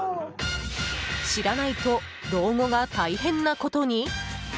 知らないと老後が大変なことに？